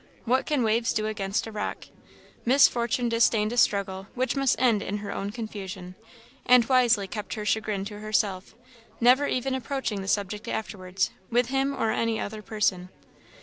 What can waves do against a rock? Miss Fortune disdained a struggle which must end in her own confusion, and wisely kept her chagrin to herself; never even approaching the subject afterwards, with him or any other person.